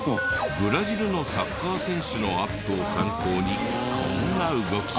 ブラジルのサッカー選手のアップを参考にこんな動きを。